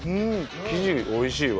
生地美味しいわ。